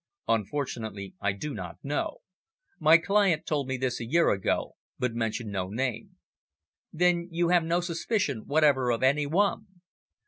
"Unfortunately I do not know. My client told me this a year ago, but mentioned no name." "Then you have no suspicion whatever of any one?"